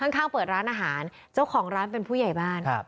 ข้างเปิดร้านอาหารเจ้าของร้านเป็นผู้ใหญ่บ้านครับ